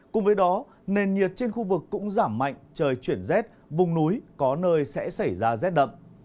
cùng với đó nền nhiệt trên khu vực cũng giảm mạnh trời chuyển rét vùng núi có nơi sẽ xảy ra rét đậm